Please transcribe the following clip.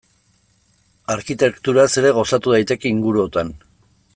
Arkitekturaz ere gozatu daiteke inguruotan.